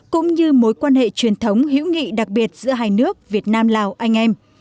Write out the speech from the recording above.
cũng như mối quan hệ truyền thống hữu nghị đặc biệt giữa hai nước việt nam lào anh em